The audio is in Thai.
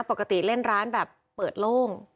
ปกติเล่นร้านแบบเปิดโล่ง